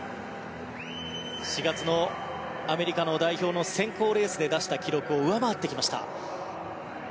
４月のアメリカの代表の選考レースで出した記録を上回ってきました。